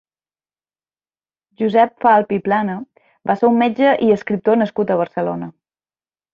Josep Falp i Plana va ser un metge i escriptor nascut a Barcelona.